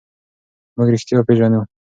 موږ رښتیا پېژنو.